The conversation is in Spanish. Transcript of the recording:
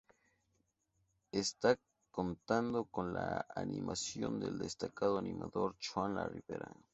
Este ha contado con la animación del destacado animador Juan La Rivera.